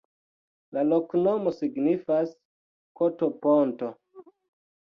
La loknomo signifas: koto-ponto.